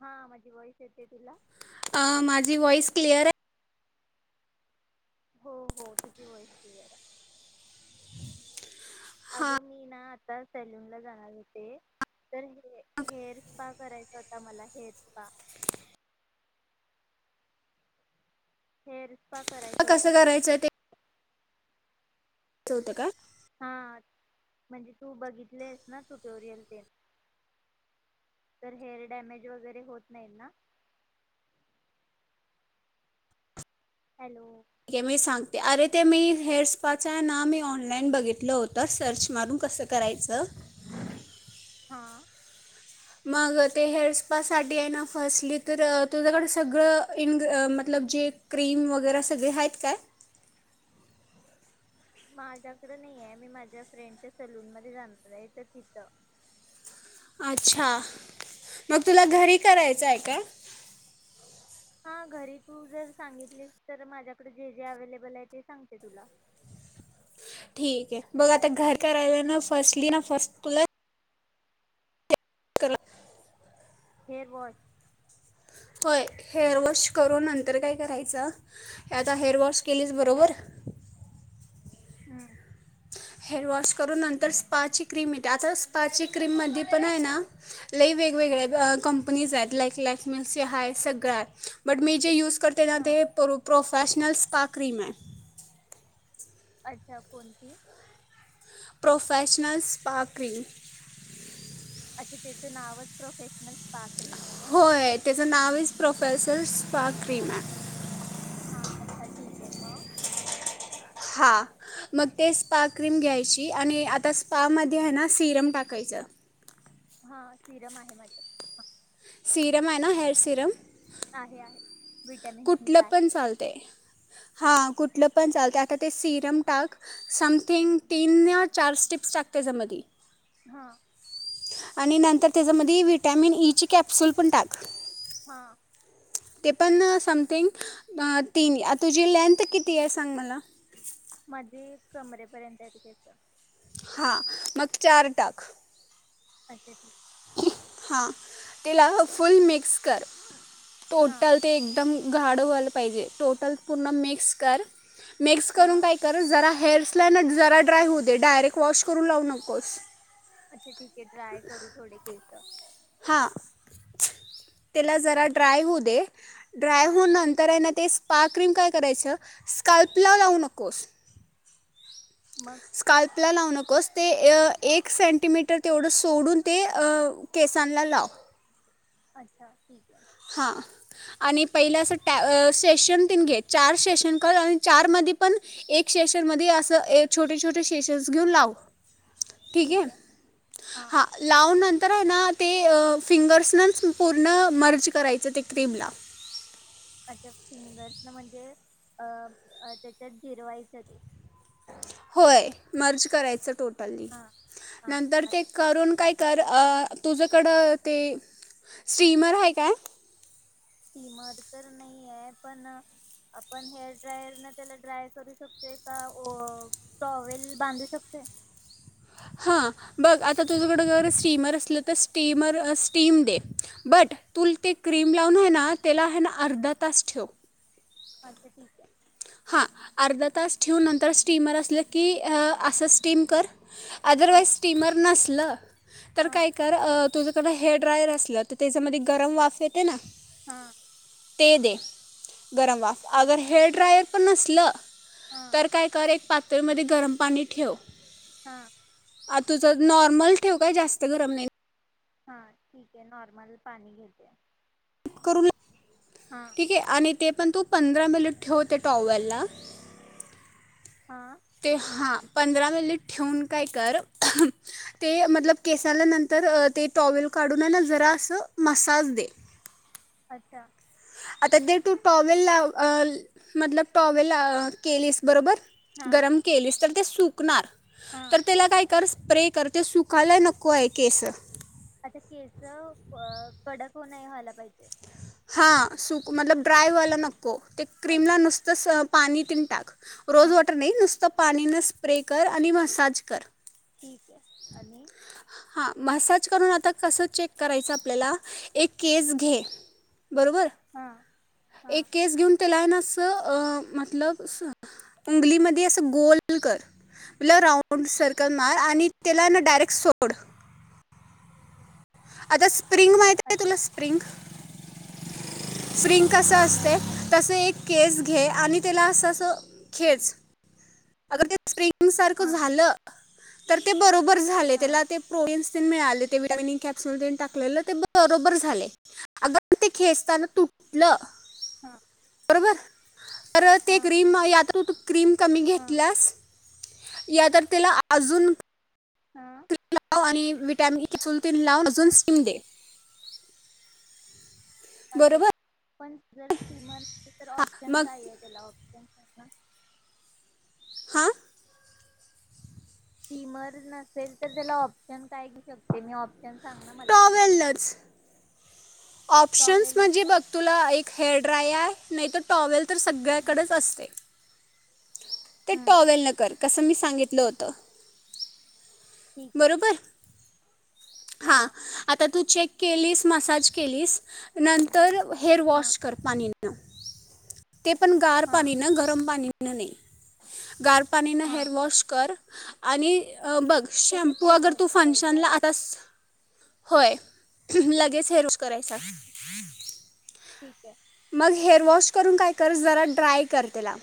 हा माझी व्हॉइस येते तिला? अ माझी व्हॉइस क्लिअरये? हो हो तुझी व्हॉइस क्लिअर हाय. अग हां मी ना आ आता सलून ला जाणार होते तर हे हेअर स्पा करायचा होता मला हेअर स्पा हेअर स्पा करायचं होतं कसं मला करायचं च होत का? हा म्हणजे तू बघितलेस ना टुटोरियल ते तर हेअर डॅमेज वगैरे होत नाहीत ना. हॅलो ठीक आहे मी सांगते अरे ते मी हेअर स्पाच आहे ना मी ऑनलाइन बघितलं होतं सर्च मारून कसं करायचं. हा मग ते हेअर स्पासाठी आहे ना फस्टली तर तुझ्याकडे सगळं इन गं अ मतलब जे क्रीम वगैरे सगळे आहेत काय? माझ्याकड नाईये मी माझ्या फ्रेंडच्या सलून मध्ये जाणार हायं तर तिथं अच्छा मग तुला घरी करायचं हायं काय? हा घरी तू जर सांगितलीस तर माझ्याकडे जे जे अवेलेबल आहे ते सांगते तुला ठीकए बघ आता घर करायला ना फर्स्टली ना फर्स्ट तुला करला होय व्हय हेअर वॉश करून नंतर काय करायचं आता हेअर वॉश केलीस बरोबर हम्म हेअर वॉश करून नंतर स्पाची क्रीम येते आता स्पाची क्रीममधी पण हायं ना लई वेगवेगळ्या अ-ब कंपनीज हायत लाईक लॅकमेची हायं सगळं हायं बट मी जे यूज खरं तेला हा ते परु प्रॉफ फॅशनल स्पा क्रीम हायं अच्छा कोणती प्रोफेशनल स्पाक्रीम अच्छा त्याचं नावच प्रोफेशनल स्पा क्रीम आहे काय? होय त्याचं नावच प्रोफेस सेल्स स्पा क्रीम हायं हा अच्छा ठीक आहे मग हां म ते स्पा क्रीम घ्यायची आणि आता स्पामध्ये हायं ना सिरम टाकायचं हा सिरम आहे माझ्याकडं ह सीरम हायं ना हेेअर सीरम आहे आहे विटॅमिन सी चं हायं हा कुठलं पण चालतय आता ते सिरम टाक समथिंग तीन या चार स्टिप्स टाक त्याच्यामधी हा आणि नंतर त्याच्यामधी व्हिटॅमिन ई ची कॅप्सुल पण टाक हा ते पण अ समथिंग अ तीन तुझी लेंथ किती आहे सांग मला मध्ये कमरेपर्यंत हायं ते तेच हां मग चार टाक अच्छा अच्छा हां तिला फुल मिक्स कर हा टोटल ते एकदम घाडं वाल पाहिजे, टोटल पूर्ण मिक्स कर. मिक्स हा करून काय कर जरा हेर असल्यान जरा ड्राय होऊ दे डायरेक्ट वॉश करून लावू नकोस अच्छा ठीक ड्राय करू थोडे केसं. हां त्याला जरा ड्राय होऊ दे ड्राय होऊन नंतर हायं ना ते स्पार्क क्रीम काय करायचं स्काल्पला लावू नकोस मग? स्काल्पला लावू नकोस ते अ एक सेंटीमीटर तेवढं सोडून ते अ केसांला लाव अच्छा ठीक हे हा आणि पहिलं अस, ट्या अ सेशन तिनं घे चार सेशन कर, न चार मधी पण एक सेशन मधी अस ए छोटे छोटे सेशन्स घेऊन लाव. ठीक हे हा लाव नं तर हाय ना ते फिंगर्सनच पूर्ण मर्ज करायच ते क्रीमला अच्छा फिंगर्स ना म्हणजे अ त्याच्यात जिरवायच ते होय मर्ज करायचं तो टली हा हा नंतर ते करून काय तर तुझ्याकडं ते स्टीमर आहे काय? माझं तर नही आहे पण आपण हेअर ड्रायर न त्याला ड्राय करू शकतोय का ओ टॉवेल बांधू शकतोय हा बघ आता तुझकड जर शीमर असलं तर स्टीमर स्टीम दे, बट तूल ते क्रीम लावून हाय ना त्याला हाय ना अर्धा तास ठेव अच्छा ठीक आहे हां अर्ध तास ठेवून नंतर स्टीमर असलं की असं स्टीम कर हां अदरवाइज स्टीमर नसलं, तर हां काय कर तुझकड हे ड्रायर असलं तर त्याचमध्ये गरम वाफ येते ना हा ते दे गरम वाफ अगर हेअर ड्रायर पण नसलं हां तर काय कर एक पा त्या मध्ये गरम पाणी ठेव हा आ तुझं नॉर्मल ठेव काय जास्त गरम नाही हा ठीक आहे नॉर्मल पाणी घेते करू ल हां ठीक आहे आणि ते पण तू पंधरा मिनिट ठेव ते टॉवेलला हां ते हा पंधरा मिनिट ठेवून काय कर ते मतलब केसांना नंतर ते टॉवेल काढून हाय ना जरा असं मसाज दे अच्छा आता दे तू टॉवेल ला अल मतलब टॉवेल केलीस बरोबर हां गरम केलीस तर ते सुकणार हां तर तेला काय कर स्प्रे कर ते सुकायला नको आहे केसं आता केस अ कडक हो नाही व्हायला पाहिजे हा सुक मतलब ड्राय व्हायला नक हो ते क्रीमला अच्छा नुस्त स पाणी तीण टाक रोज हां वॉटर नाही नुसत पाणी न स्प्रे कर आणि मसाज कर ठीक आहे आणि? हां, मसाज करून आता कसं चेक करायचं आपल्याला एक केस घे बरोबर हां हां एक केस घेऊन तेलाय ना अस अ मतलब स उंगलीमदे असं गोल कर ल राऊंड सर्कल मार आणि तेला न डायरेक्ट सोड आता स स्प्रिंग माहिती आहे तुला अच्छा स्प्रिंग फ्रिंक असं हां असते माहीत आहे तसं एक केस घे आणि तेला असं अस खेच अगर ते स्प्रिंग सारखं हां झालं तर ते बरोब [inaudible] झालय हां तेला ते [inaudible] मिळालय ते विटामिन ई कॅप्सूल तेन टाकले ते बरोबर झाले अग ते खेचताना तुटलं हा व तर ते क्रीम या तर तू क्रीम कम हां प्लस या तर तेला आ आजून हां लाव आणि विटॅमिन कॅपसूल तेन लाव अजून स्टीम दे अच्छा बरोबर [inaudible] पण जर [inaudible] किमान तर हां ऑप्शन मग काय आहे त्याला ऑप्शन ह [inaudible] हा स्टिमर नसेल तर त्याला ऑप्शन काय घिऊ शकते मी ऑ प्शन सांग ना मला टॉवेलच ऑप्शन्स टॉवेलच म्हणजे का बघ तुला एक हेअ ड्रायार नाही तो टॉवेल तर सगळ्याकडच असते ते हम्म टॉवेल न कर कसं मी सांगितलं होतं ठीक आहे बरोबर हा आता तू चेक केलीस मसाज केलीस नंतर व हेअर हा वॉश कर पाणी [unintelligible] ते पण गार हा पाणी ना गरम पाणी न नई गार पाणीन हा हेअरवॉश कर आणि अ बघ कसं शॅम्पू हेअर अगर वॉश तू करायचं फंक्शनला आ [inaudible] स होय लगेच हेअरवॉश करायचा ठीकय मग हेअर वॉश करून काय कर जरा ड्राय कर तेला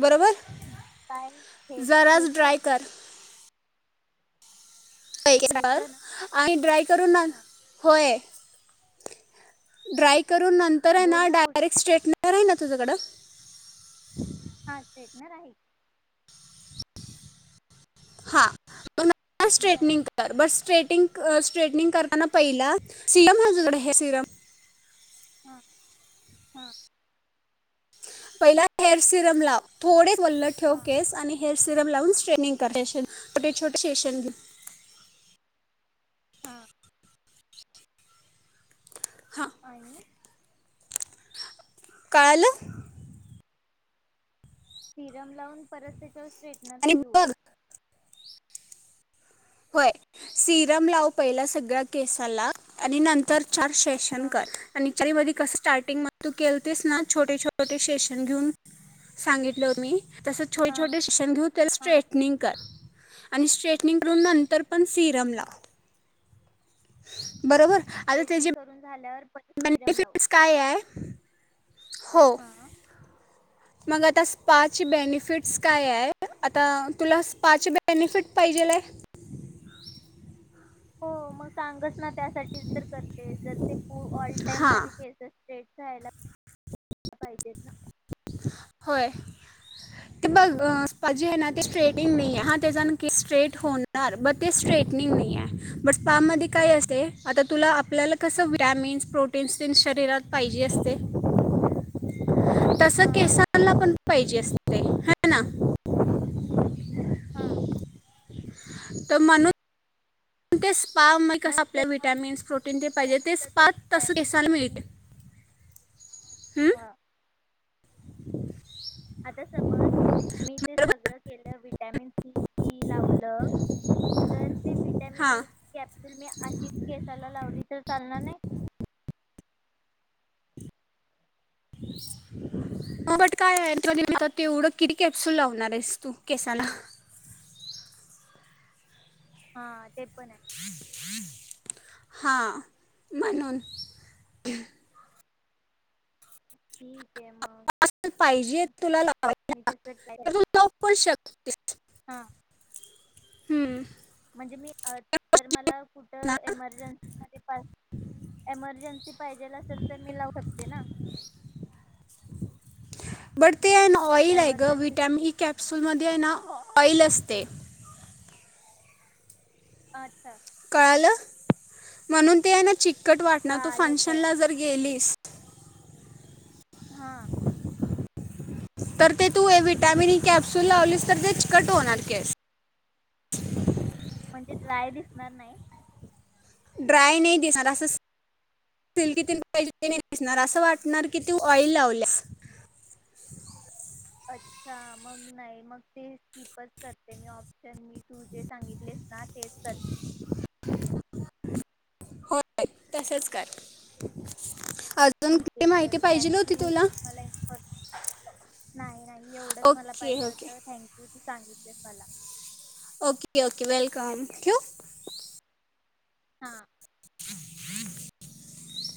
बरोबर [inaudible] केस जराज केस ड्राई कर केस ना [inaudible] आणि ड्राय करू ना हा होय ड्राय् करुन नंतर आहे बोल ना पुढे डायरेक्ट स्टेटनर आहे ना तुझकड [inaudible] हा स्ट्रेटनर आहे हा [inaudible] स्ट्रेटनर आहे स्ट्रेटनिंग कर बस स्ट्रेट स्ट्रेटनिंग करताना पहिला सिरम आहे काय सिरम हा हा पहिला हेअर सिरम लाव थोडे वल्ल ठेव हा केस आणि हे सिरम लाऊन स्ट्रेनिंग [inaudible] शेशन छोटे छोटे शेशन हा हां [inaudible] काल सिरम लावून परत त्याच्य स्ट्रेटनर आणि फिरवु बघ होय सिरम लाव पयला सगळ्या केसाला आणि नंतर चार सेशन हा कर आणि चारीमधी कस स्टार्टिंग म तू केलतेस ना छोटे छोटे सेशन घेऊन सांगितलं मी तस छो हा छोटे सेशन घेऊन तेला हा स्ट्रेटनिंग कर आणि स्ट्रेटनिंग [inaudible] नंतर पण सीरम लाव हा बरोबर आता त्याची थ्रेडनिंग करून झाल्यावर परत सिरम लावू बेनिफिटस काय आहे? हो हा मग आता स्पाची बेनिफिटस काय आहे आता तुला स्पाची बेनिफिट पाहिजेलय हो मग सांगच ना त्यासाठीच तर करते जर ते तू ऑल टाइम हां माजी केस स्टेट [inaudible] पाहिजेत ना होय ते बघ अ स्पा जे हाय ना ते स्ट्रेटिंग नईये, हा ते जाण केस स्ट्रेट होणार ब ते स्ट्रेटनिंग नई आय बट स्पा मध्ये काय असते आता तुला आपल्याला कसं विटॅमिन्स, प्रोटीन्स तेन शरीरात पाहिजे असते तस हा केसांला पण पायजे असतय, हा ना! हा त म्हणून ते [inaudible] स्पा कस मग आपल्या समज वि्हटॅमिन्स प्रोटीन ते पाहिजे तेच समज आता स्पा तस विटॅमिन केसाल सी मीळतय. हा आता समज मी ते सगळं केलं विटॅमिन सी लावलं तर ते विटॅमिन हा ई कॅप्सुल मी अशीच केसाला लावली तर चालणार नाही हो बट काय [inaudible] तेवढं किती कॅप्सूल लावणार आहेस तू केसाला हा ते पण आहे हा म्हणून उह [inaudible] आ अस पाहिजे तुला मी लावायला तस ट्राय तर तू लाऊ पण शकतेस हा हम्म म्हणजे मी अ तर मला कुठ ना एमर्जन्सी मध्ये पाहि एमर्जन्सी पाहिजेल असेल तर मी लावू शकते ना बर ते आहे ना ऑइल आहे ग एमर्जन्सी विटॅमिन ई साठी कॅप्सुल मध्ये आहे ना ऑईल असते आच्छा! कळालं म्हणून ते आहे ना चिक चिकट तर वाटना तू आलं फंक्शनला कळालं जर गेलीस हा तर ते तू ये व्हिटॅमिन ई कॅप्स्यूल लावलीस तर ते चिकट होणार केस म्हणजे ड्राय दिसणार नायी ड्राय नाही दिसणार अस सिल्की [inaudible] तेन नाही दिसणार असं वाटणार की तू ऑइल लावल्यास अच्छा मग नाही मग ते स्किपच करते मी ऑप्शन तू तू जे सांगितलेस ना तेच करते तसच कर [inaudible] कुठली ठीकये माहिती चल पाहिजे थँक होती यू तुला मला इनफॉर नाई नाई एवढंच मला ओके पाहिजे ओके होत थँक्यू दी सांगितले मला ओके ओके वेलकम ठिवु हा [unintelligible]